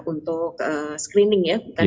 untuk screening ya bukan